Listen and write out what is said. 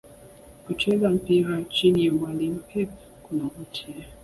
Kucheza mpira chini ya mwalimu Pep kunavutia